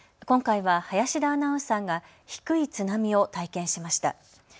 今回は林田アナウンサーが低い津波を体験しました。